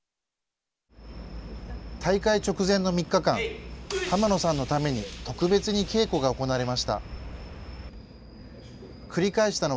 大会直前の３日間、濱野さんのために特別に稽古が行われました。